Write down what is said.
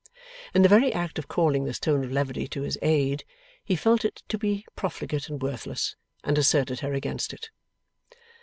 In the very act of calling this tone of levity to his aid, he felt it to be profligate and worthless, and asserted her against it.